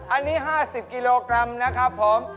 อันนี้๕๐กิโลกรัมนะครับผม